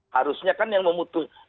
harusnya kan yang memutuskan